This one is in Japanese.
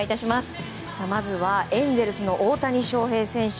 まずはエンゼルスの大谷翔平選手。